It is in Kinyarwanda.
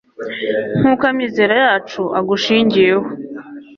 nk'uko amizero yacu agushingiyeho